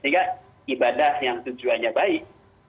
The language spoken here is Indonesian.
sehingga ibadah yang tujuannya baik